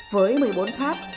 với một mươi bốn tháp